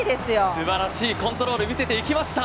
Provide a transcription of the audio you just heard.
素晴らしいコントロール見せていきました。